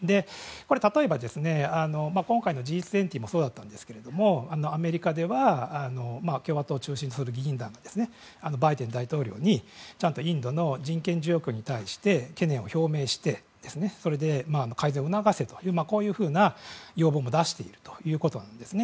例えば、今回のＧ２０もそうだったんですけれどもアメリカでは共和党を中心にする議員団がバイデン大統領にインドの人権に対して懸念を表明してそれで改善を促すという要望も出しているということなんですね。